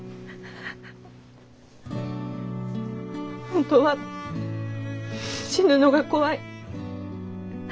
本当は死ぬのが怖い。